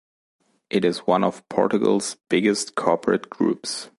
It is one of Portugal's biggest corporate groups.